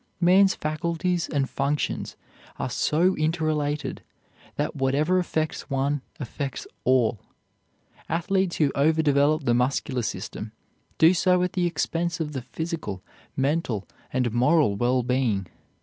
Man's faculties and functions are so interrelated that whatever affects one affects all. Athletes who over develop the muscular system do so at the expense of the physical, mental, and moral well being.